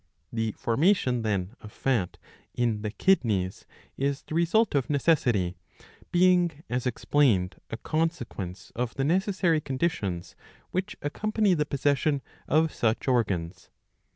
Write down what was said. ^^ The formation, then, of fat in the kidneys is the result of necessity ; being, as explained, . a consequence of the necessary conditions which accompany the possession of such organs.